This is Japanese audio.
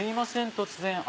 突然。